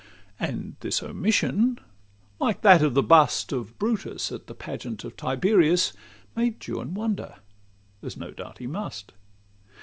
And this omission, like that of the bust Of Brutus at the pageant of Tiberius, Made Juan wonder, as no doubt he must.